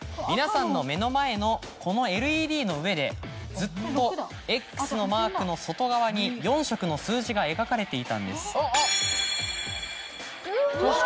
皆さんの目の前のこのＬＥＤの上でずっとＸのマークの外側に４色の数字が描かれていたんです。